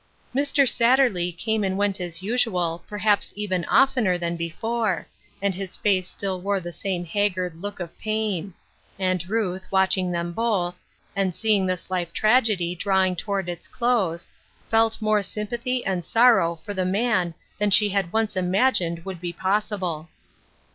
Mr. Satterley came and went as usual, perhaps even oftener than before, and his face still wore the same haggard look of pain ; and Ruth, watch TRANSFORMATION. 26 1 ingthem both, and seeing this life tragedy drawing toward its close, felt more sympathy and sorrow for the man than she had once imagined would be possible.